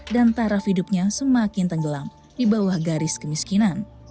dan taraf hidupnya semakin tenggelam di bawah garis kemiskinan